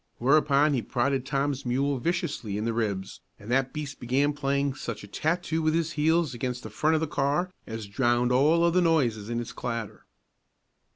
Whereupon he prodded Tom's mule viciously in the ribs, and that beast began playing such a tattoo with his heels against the front of the car as drowned all other noises in its clatter.